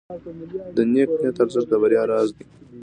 د نیک نیت ارزښت د بریا راز دی.